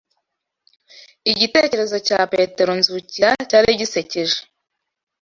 Igitekerezo cya Petero Nzukira cyari gisekeje